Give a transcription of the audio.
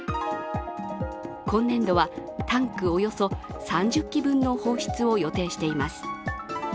今年度はタンクおよそ３０基分の放出を予定しています。